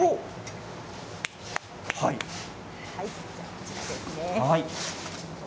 こちらですね。